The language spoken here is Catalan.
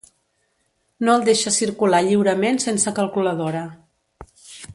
No el deixa circular lliurement sense calculadora.